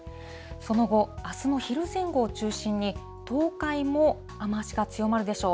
その後、あすの昼前後を中心に、東海も雨足が強まるでしょう。